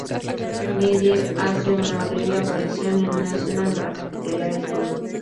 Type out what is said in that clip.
Meyer hace una breve aparición en una escena en la cafetería del pueblo.